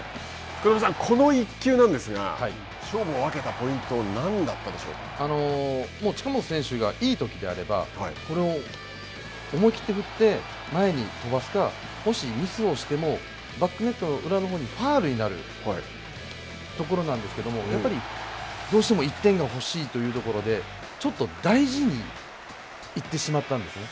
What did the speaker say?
福留さん、この１球なんですが勝負を分けたポイントは何だったもう近本選手がいいときであれば、これを思い切って振って、前に飛ばすか、もしミスをしても、バックネットの裏のほうにファウルになるところなんですけれども、やっぱりどうしても１点が欲しいというところで、ちょっと大事に行ってしまったんですね。